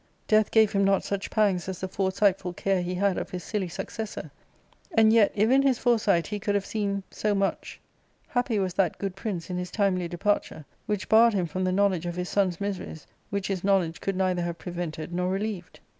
Death gave him not such pangs as the foresightful care he had of his silly successor ; and yet if in his foresight he could have seen so much, happy was that good prince in his timely departure, which barred him from the knowledge of his son's miseries, which his knowledge could neither have prevented nor relieved.